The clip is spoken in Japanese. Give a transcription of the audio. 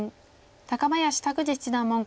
高林拓二七段門下。